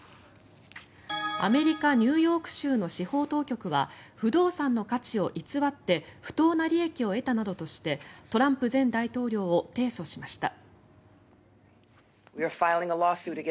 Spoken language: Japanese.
アメリカ・ニューヨーク州の司法当局は不動産の価値を偽って不当な利益を得たなどとしてトランプ前大統領を提訴しました。